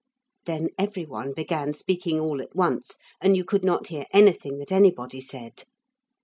Then every one began speaking all at once, and you could not hear anything that anybody said.